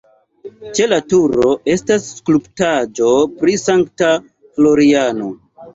Ĉe la turo estas skulptaĵo pri Sankta Floriano.